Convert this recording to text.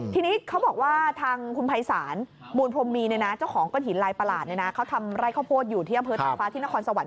ทีนี้เขาบอกว่าทางคุณไพรศาร